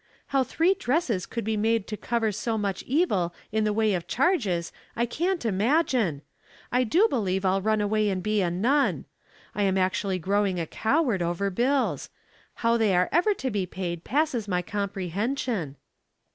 How three dresses could be made to cover so much evil in the way of charores I can't imaojine. I do believe I'll run away and be a nun. I am actually growing a coward over bills. How they are ever to be paid passes my comprehension."